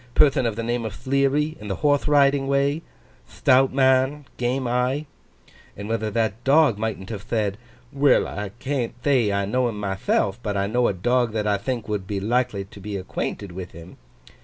Perthon of the name of Thleary, in the Horthe Riding way—thtout man—game eye?" And whether that dog mightn't have thed, "Well, I can't thay I know him mythelf, but I know a dog that I think would be likely to be acquainted with him."